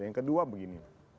yang kedua begini